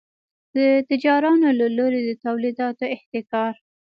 د تجارانو له لوري د تولیداتو احتکار.